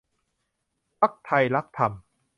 พรรคไทยรักธรรม